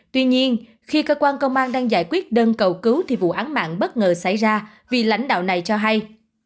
tuy nhiên khi cơ quan công an đang giải quyết đơn cầu cứu thì vụ án mạng bất ngờ xảy ra vì lãnh đạo này cho hay